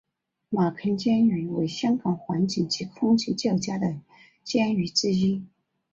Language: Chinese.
马坑监狱为香港环境及空气较佳的监狱之一。